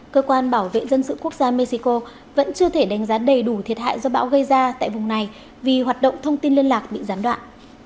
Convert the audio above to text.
cơ quan bảo vệ dân sự quốc gia mexico vẫn chưa thể đánh giá đầy đủ thiệt hại do bão gây ra tại vùng này vì hoạt động thông tin liên lạc bị gián đoạn